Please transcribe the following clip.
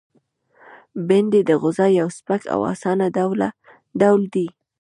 بېنډۍ د غذا یو سپک او آسانه ډول دی